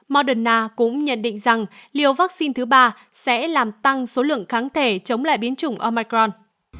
moderna cũng nhận định rằng liều vaccine thứ ba sẽ làm tăng số lượng kháng thể chống lại biến chủng omicron